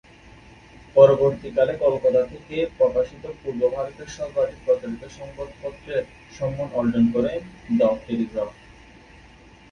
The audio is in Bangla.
পরবর্তীকালে কলকাতা থেকে প্রকাশিত পূর্ব ভারতের সর্বাধিক প্রচারিত সংবাদপত্রের সম্মান অর্জন করে "দ্য টেলিগ্রাফ"।